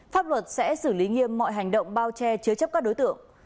pháp luật sẽ xử lý nghiêm mọi hành động bao che chứa chấp các đối tượng